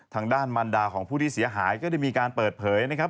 ทางด้านมันดาของผู้ที่เสียหายก็ได้มีการเปิดเผยนะครับ